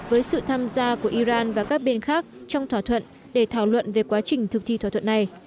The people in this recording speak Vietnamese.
với sự tham gia của iran và các bên khác trong thỏa thuận để thảo luận về quá trình thực thi thỏa thuận này